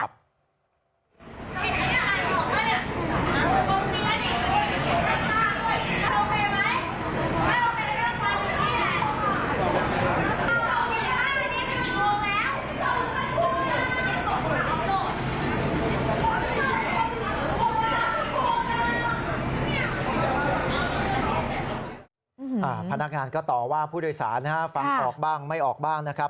พนักงานก็ต่อว่าผู้โดยสารนะฮะฟังออกบ้างไม่ออกบ้างนะครับ